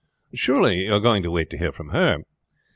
Surely you are going to wait to hear from her?"